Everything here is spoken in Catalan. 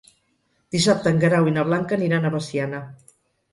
Dissabte en Guerau i na Blanca aniran a Veciana.